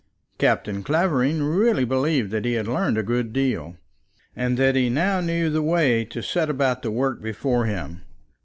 Captain Clavering really believed that he had learned a good deal, and that he now knew the way to set about the work before him.